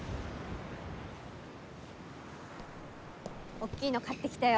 おっきいの買ってきたよ。